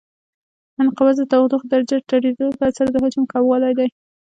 انقباض د تودوخې درجې د ټیټېدو په اثر د حجم کموالی دی.